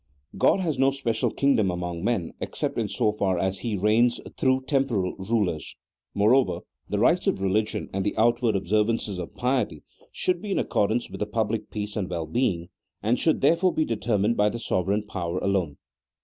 God has no special kingdom among men except in so far as He reigns through temporal rulers. Moreover, the rites of re ligion and the outward observances of piety should be in accordance with the public peace and well being, and should therefore be determined by the sovereign power alone.